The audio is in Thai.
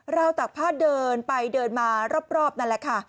วตากผ้าเดินไปเดินมารอบนั่นแหละค่ะ